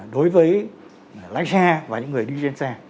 đối với lái xe và những người đi trên xe